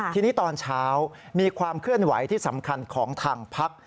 ทีนี้ตอนเช้ามีความเคลื่อนไหวที่สำคัญของทางพัก